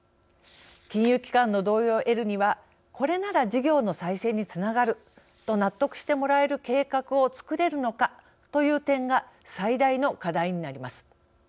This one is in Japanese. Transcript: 金融機関の同意を得るにはこれなら事業の再生につながると納得してもらえる計画をつくれるのかという点が最大の課題になります。